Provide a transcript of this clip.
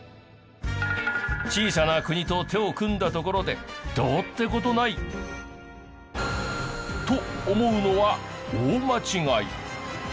小さな国と手を組んだところでどうって事ない。と思うのは大間違い！